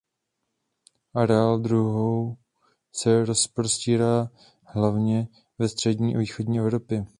Areál druhu se rozprostírá hlavně ve střední a východní Evropě.